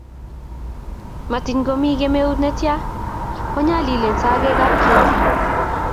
Matiny komi kemeut netya konyalilen sagek ap keti.